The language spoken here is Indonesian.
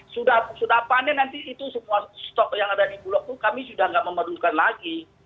sudah panen nanti itu semua stok yang ada di bulog itu kami sudah tidak memedukan lagi